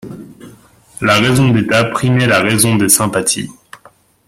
La raison d'état primait la raison des sympathies.